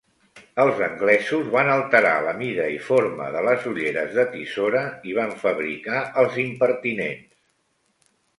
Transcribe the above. Els anglesos van alterar la mida i forma de les ulleres de tisora i van fabricar els impertinents.